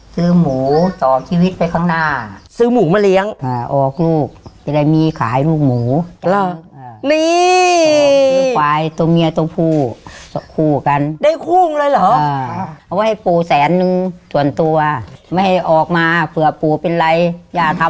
ซื้อหมูต่อชีวิตไปข้างหน้าซื้อหมูมาเลี้ยงอ่าออกลูก